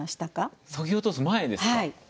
そぎ落とす前ですか？